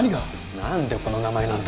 何でこの名前なんだ